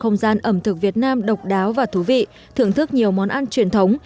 không gian ẩm thực việt nam độc đáo và thú vị thưởng thức nhiều món ăn truyền thống